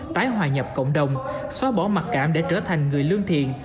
tái hòa nhập cộng đồng xóa bỏ mặc cảm để trở thành người lương thiện